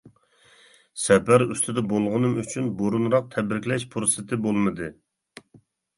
سەپەر ئۈستىدە بولغىنىم ئۈچۈن بۇرۇنراق تەبرىكلەش پۇرسىتى بولمىدى.